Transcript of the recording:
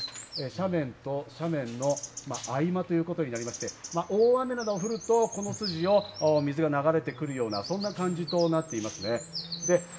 斜面と斜面の合間ということになりまして、大雨などが降ると水が流れてくるような、そんな感じとなっていますね。